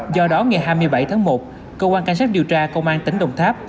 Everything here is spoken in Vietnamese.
do đó ngày hai mươi bảy tháng một cơ quan cảnh sát điều tra công an tỉnh đồng tháp